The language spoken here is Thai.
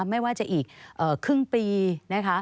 ไม่ว่าจะอีกครึ่งปีนะคะ